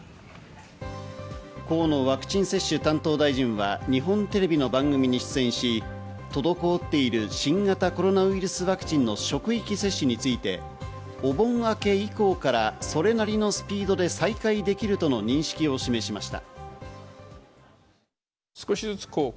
河野ワクチン接種担当大臣は日本テレビの番組に出演し、滞っている新型コロナウイルスワクチンの職域接種について、お盆明け以降からそれなりのスピードで再開できるとの認識を示しました。